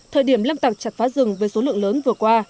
thời điểm lâm tặc chặt phá rừng với số lượng lớn vừa qua